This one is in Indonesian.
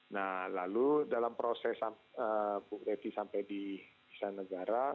nah lalu dalam proses bukti sampai di istana negara